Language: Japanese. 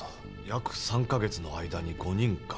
約３か月の間に５人か。